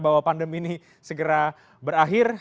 bahwa pandemi ini segera berakhir